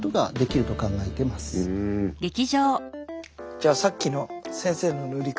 じゃあさっきの先生の塗り方。